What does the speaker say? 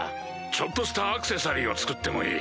ちょっとしたアクセサリーを作ってもいい。